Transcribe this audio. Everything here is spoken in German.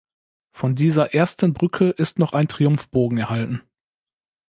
Von dieser ersten Brücke ist noch ein Triumphbogen erhalten.